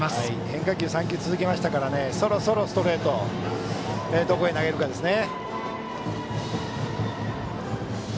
変化球、３球続いたのでそろそろストレートをどこへ投げるかですね。